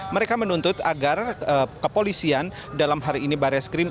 mereka menuntut agar kepolisian dalam hari ini barat skrim